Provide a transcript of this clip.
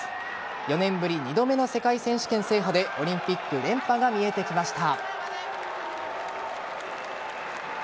４年ぶり２度目の世界選手権制覇でオリンピック連覇が見えてきました。